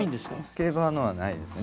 競馬のはないですね。